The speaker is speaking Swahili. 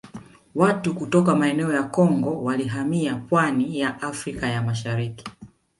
Watu kutoka maeneo ya Kongo walihamia pwani ya Afrika ya Mashariki